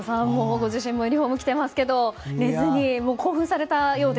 ご自身もユニホーム着てますけど寝ずに興奮されたようで。